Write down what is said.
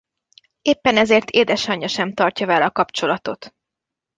Éppen ezért édesanyja sem tartja vele a kapcsolatot.